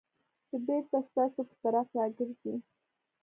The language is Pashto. چې بېرته ستاسو په طرف راګرځي .